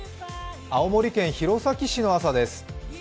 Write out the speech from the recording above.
青森県弘前市の朝です。